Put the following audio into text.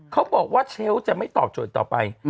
เขาบอกว่าเชลล์จะไม่ตอบโจทย์ต่อไป